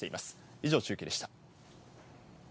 以上、中継でした。